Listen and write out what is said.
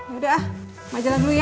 yaudah ma jalan dulu ya